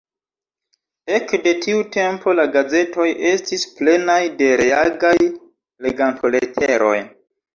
Ekde tiu tempo la gazetoj estis plenaj de reagaj legantoleteroj.